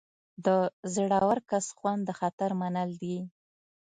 د زړور کس خوند د خطر منل دي.